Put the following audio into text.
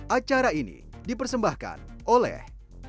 acara ini dipersembahkan oleh